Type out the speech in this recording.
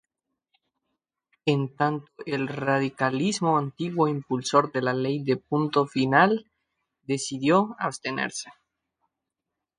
En tanto el radicalismo, antiguo impulsor de la Ley de Punto Final, decidió abstenerse.